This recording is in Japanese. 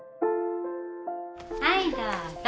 はいどうぞ。